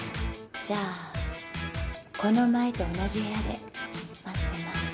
じゃあこの前と同じ部屋で待ってます。